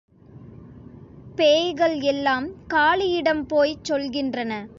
பேய்கள் எல்லாம் காளியிடம் போய்ச் சொல்கின்றன.